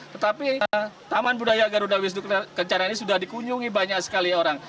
tetapi taman budaya garuda wisnu kencana ini sudah dikunjungi banyak sekali orang